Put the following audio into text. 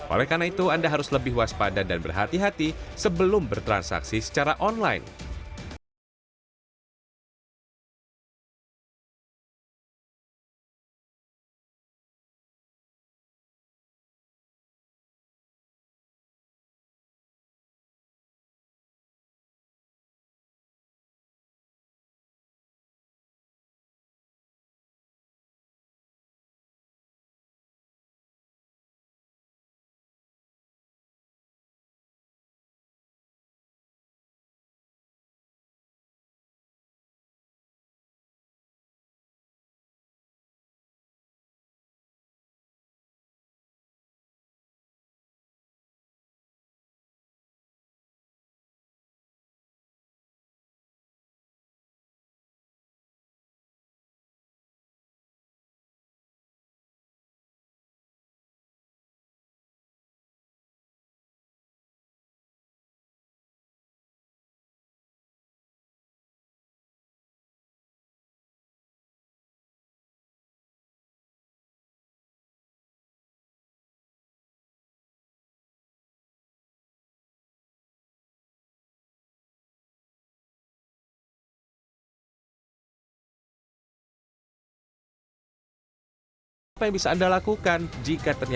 oleh karena itu anda harus lebih waspada dan berhati hati sebelum bertransaksi secara online